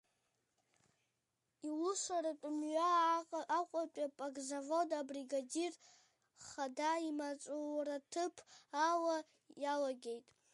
Иусуратә мҩа Аҟәатәи Пакзавод абригадир хада имаҵураҭыԥ ала иалагеит.